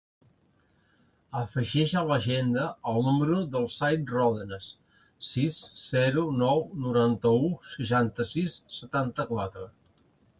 Afegeix a l'agenda el número del Zayd Rodenas: sis, zero, nou, noranta-u, seixanta-sis, setanta-quatre.